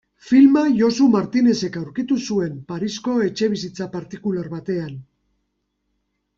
Filma Josu Martinezek aurkitu zuen, Parisko etxebizitza partikular batean.